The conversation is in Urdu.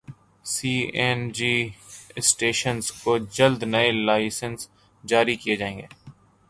سی این جی اسٹیشنز کو جلد نئے لائسنس جاری کیے جائیں گے